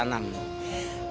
kita harus menambah luasnya